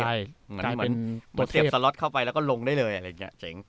ใช่เหมือนเสียบสล็อตเข้าไปแล้วก็ลงได้เลยอะไรอย่างนี้เจ๊ง